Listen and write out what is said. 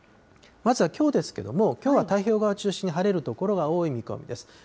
まずはきょうですけれども、きょうは太平洋側を中心に晴れる所が多い見込みです。